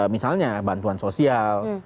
misalnya bantuan sosial